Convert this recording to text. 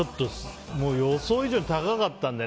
予想以上に高かったので。